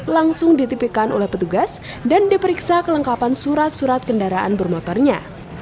langsung ditipikan oleh petugas dan diperiksa kelengkapan surat surat kendaraan bermotornya